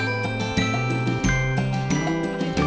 kamu disana aku memanggilnya om kaisang ya